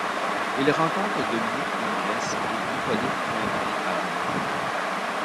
Il rencontre Dominique Ingres et Hippolyte Flandrin à Rome.